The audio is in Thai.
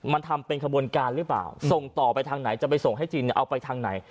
มันทำเป็นขบวนการหรือเปล่าส่งต่อไปทางไหนจะไปส่งให้จีนเนี่ยเอาไปทางไหน